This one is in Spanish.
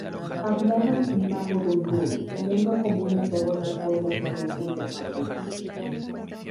Hablaban mapudungun, lengua común a todos los pueblos del conjunto mapuche.